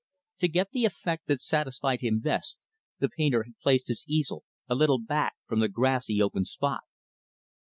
To get the effect that satisfied him best, the painter had placed his easel a little back from the grassy, open spot.